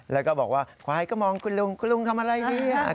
และบอกว่าขว้ายก็มองคุณลุงทำอะไรดี